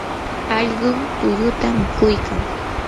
allqum tulluta mikuykan.